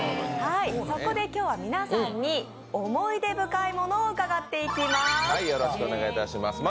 そこで今日は皆さんに思い出深いものを伺っていきます。